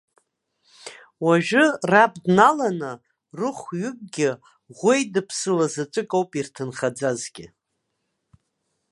Уажәы, раб дналаны, рыхәҩыкгьы, ӷәеидыԥсала заҵәык ауп ирҭынхаӡазгьы!